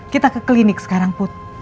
kita ke klinik sekarang put